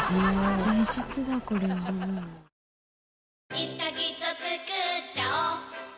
いつかきっとつくっちゃおう